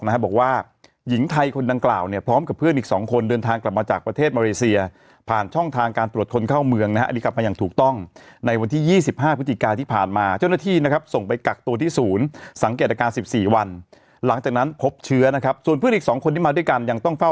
บอกว่าหญิงไทยคนดังกล่าวเนี่ยพร้อมกับเพื่อนอีกสองคนเดินทางกลับมาจากประเทศมาเลเซียผ่านช่องทางการตรวจคนเข้าเมืองนะฮะอันนี้กลับมาอย่างถูกต้องในวันที่๒๕พฤศจิกาที่ผ่านมาเจ้าหน้าที่นะครับส่งไปกักตัวที่ศูนย์สังเกตอาการ๑๔วันหลังจากนั้นพบเชื้อนะครับส่วนเพื่อนอีก๒คนที่มาด้วยกันยังต้องเฝ้า